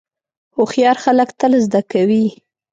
هوښیار خلک تل زده کوي.